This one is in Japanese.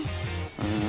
うん。